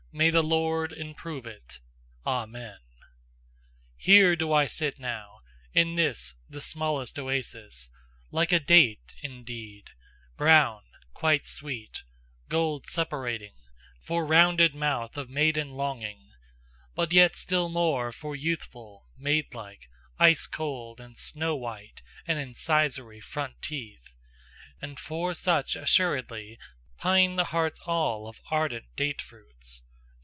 May the Lord improve it! Amen! Here do I sit now, In this the smallest oasis, Like a date indeed, Brown, quite sweet, gold suppurating, For rounded mouth of maiden longing, But yet still more for youthful, maidlike, Ice cold and snow white and incisory Front teeth: and for such assuredly, Pine the hearts all of ardent date fruits.